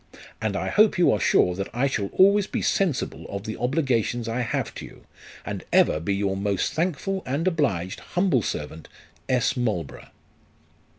And I hope you are sure that I shall always be sensible of the obligations I have to you, and ever be your most thankful and obliged humble servant, "S. MARLBOKOUGH.